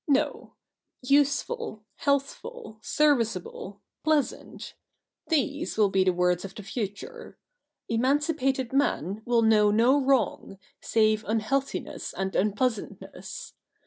No — "useful," "healthful," "serviceable," " pleasant "— these will be the words of the future. Emancipated man will know no wrong, save unhealthi ness and unpleasantness.